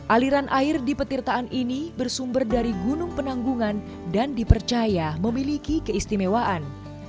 aliran air di petirtaan ini bersumber dari gunung penanggungan dan dipercaya memiliki keistimewaan